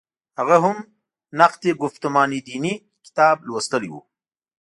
هغه هم «نقد ګفتمان دیني» کتاب لوستلی و.